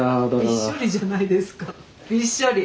びっしょりじゃないですかびっしょり。